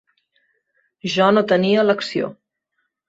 Jo no tenia elecció.